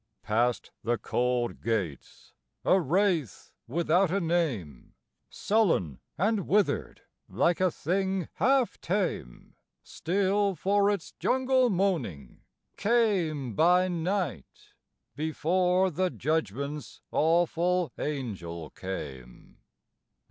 PAST the cold gates, a wraith without a name, Sullen and withered, like a thing half tame Still for its jungle moaning, came by night, Before the Judgment's awful Angel came.